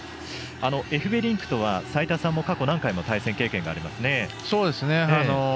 エフベリンクとは齋田さんは過去何度も対戦経験がありますね。